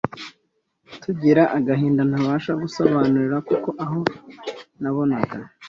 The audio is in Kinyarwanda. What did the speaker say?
tugira agahinda ntabasha kugusobanurira kuko aho nabonaga